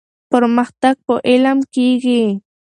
پرمختګ په علم کيږي.